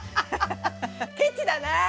ケチだなぁ。